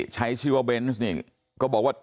ใช้ชีวเบนซนี่ก็บอกว่า